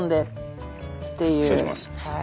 はい。